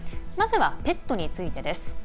まずはペットについてです。